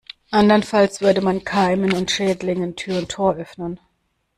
Andernfalls würde man Keimen und Schädlingen Tür und Tor öffnen.